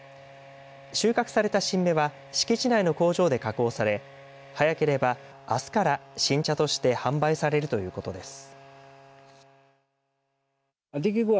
収穫された新芽は敷地内の工場で加工され早ければ、あすから新茶として販売されるということです。